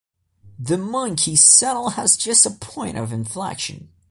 The monkey saddle has just a point of inflection.